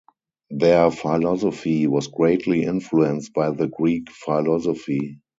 Their philosophy was greatly influenced by the Greek philosophy.